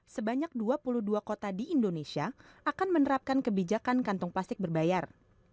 sebanyak dua puluh dua kota di indonesia akan menerapkan kebijakan kantong plastik berbayar